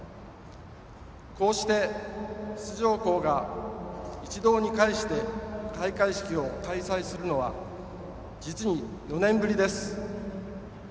こうして、出場校が一堂に会して開会式を開催するのは実に４年ぶりです。